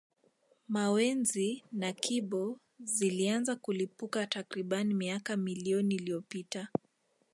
Mawenzi na Kibo zilianza kulipuka takriban miaka milioni iliyopita